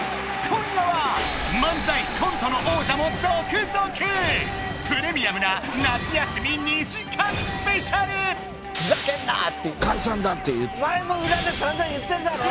今夜は漫才コントの王者も続々プレミアムな夏休み２時間スペシャルお前も裏でさんざん言ってんだろ